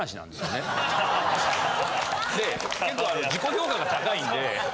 で結構自己評価が高いんで。